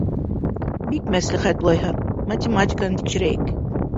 — Бик мәслихәт, улайһа, математиканан тикшерәйек.